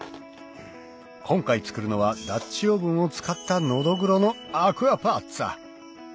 今回作るのはダッチオーブンを使ったのどぐろのアクアパッツァ！